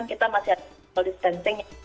kita masih ada distancing